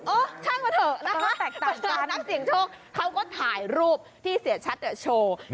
ช่างมาเถอะนะคะนักเสียงโชคเขาก็ถ่ายรูปที่เสียชัดโชว์